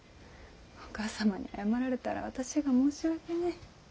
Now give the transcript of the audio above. お義母様に謝られたら私が申し訳ねぇ。